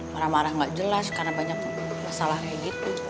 marah marah ngga jelas karena banyak masalahnya gitu